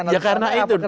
ya karena itu